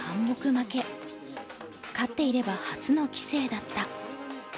勝っていれば初の棋聖だった。